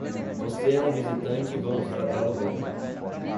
Você é um visitante e vamos tratá-lo bem.